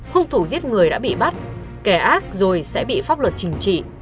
hùng thủ giết người đã bị bắt kẻ ác rồi sẽ bị pháp luật trình trị